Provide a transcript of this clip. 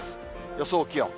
予想気温。